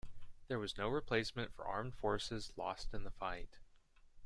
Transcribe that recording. There was no replacement for armed forces lost in the fight.